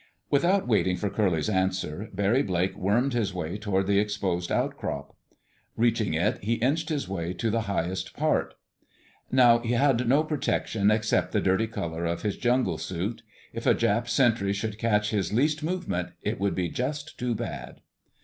Without waiting for Curly's answer, Barry Blake wormed his way toward the exposed outcrop. Reaching it, he inched his way to the highest part. Now he had no protection except the dirty color of his jungle suit. If a Jap sentry should catch his least movement, it would be just too bad.